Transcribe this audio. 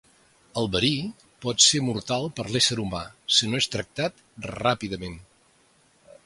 El verí pot ser mortal per a l'ésser humà si no és tractat ràpidament.